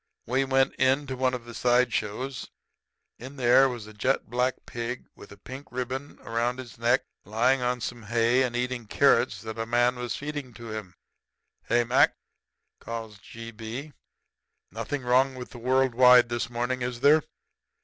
We went into one of the side shows. In there was a jet black pig with a pink ribbon around his neck lying on some hay and eating carrots that a man was feeding to him. "'Hey, Mac,' calls G. B. 'Nothing wrong with the world wide this morning, is there?'